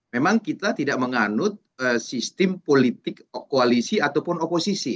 memang kita tidak menganut sistem politik koalisi ataupun oposisi